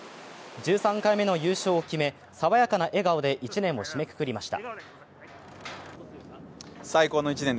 １３回目の優勝を決め、さわやかな得笑顔で一年を締めくくりました。